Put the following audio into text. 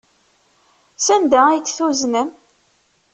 Sanda ay t-tuznem?